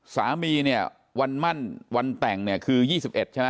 สามีเนี่ยวันมั่นวันแต่งเนี่ยคือ๒๑ใช่ไหม